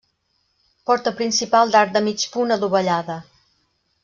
Porta principal d'arc de mig punt adovellada.